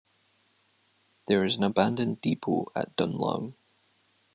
There is an abandoned depot at Dunlow.